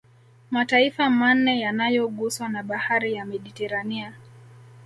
Mataifa manne yanayoguswa na bahari ya Mediterania